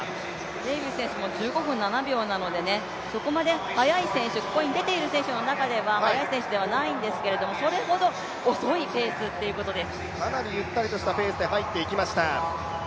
デービス選手も１５分７秒なので、ここに出ている選手の中では速い方ではないのですが、それほど遅いペースということです。